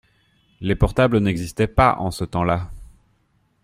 Les portables n’existaient pas en ce temps-là.